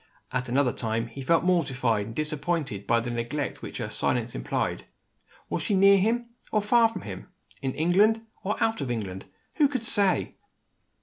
At another time, he felt mortified and disappointed by the neglect which her silence implied. Was she near him, or far from him? In England, or out of England? Who could say!